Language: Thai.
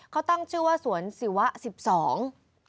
เขาตั้งชื่อว่าสวนศิวะสิบสอง